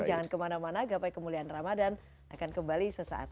jangan kemana mana gapai kemuliaan ramadhan akan kembali sesaat lagi